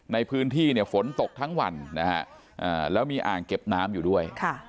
ในพื้นที่เนี่ยฝนตกทั้งวันนะฮะแล้วมีอ่างเก็บน้ำอยู่ด้วย